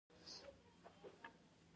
ګرمې سیمې ګرم غنم غواړي.